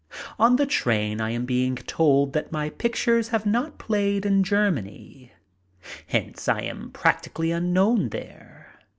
On the train I am being told that my pictures have not played in Germany, hence I am practically unknown there.